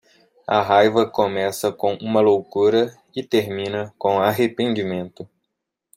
A raiva começa com uma loucura e termina com arrependimento.